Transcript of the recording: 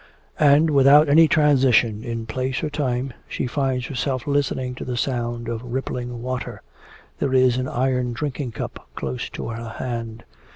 And, without any transition in place or time, she finds herself listening to the sound of rippling water. There is an iron drinking cup close to her hand.